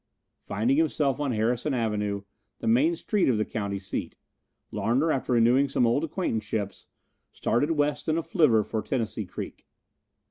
Finding himself on Harrison Avenue, the main street of the county seat, Larner, after renewing some old acquaintanceships, started west in a flivver for Tennessee Creek.